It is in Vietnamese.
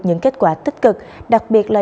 những kết quả tích cực đặc biệt là